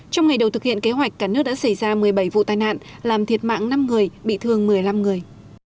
trong ngày đầu thực hiện kế hoạch cả nước đã xảy ra một mươi bảy vụ tai nạn làm thiệt mạng năm người bị thương một mươi năm người